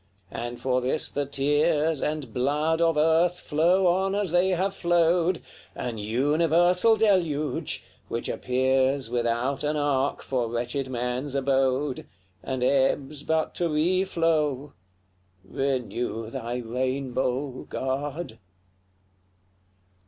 and for this the tears And blood of earth flow on as they have flowed, An universal deluge, which appears Without an ark for wretched man's abode, And ebbs but to reflow! Renew thy rainbow, God!